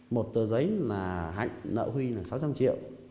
một tờ giấy là hạnh nợ huy là sáu trăm linh triệu